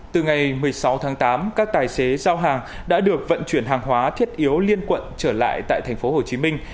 từ ngày một mươi sáu tháng tám các tài xế giao hàng đã được vận chuyển hàng hóa thiết yếu liên quận trở lại tại tp hcm